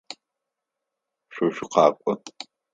Шъо шъукъэкӏо.